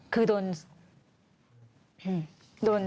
คือโดน